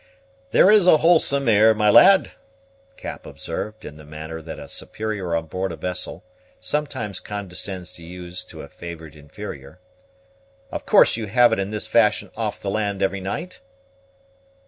"This is a wholesome air, my lad," Cap observed, in the manner that a superior on board a vessel sometimes condescends to use to a favored inferior. "Of course you have it in this fashion off the land every night?"